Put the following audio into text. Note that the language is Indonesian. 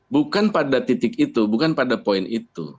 bukan pada titik itu bukan pada poin itu